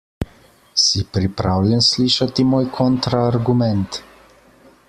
Si pripravljen slišati moj kontra argument?